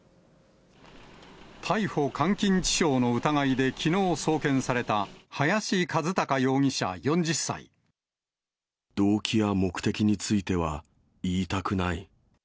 逮捕監禁致傷の疑いできのう動機や目的については、言いたくない。